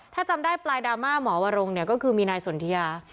ถ้าจำได้ปลายดราม่าหมอวรงเนี่ยก็คือมีนายสนทิยา